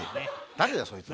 誰だよそいつ。